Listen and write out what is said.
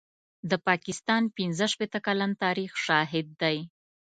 د پاکستان پنځه شپېته کلن تاریخ شاهد دی.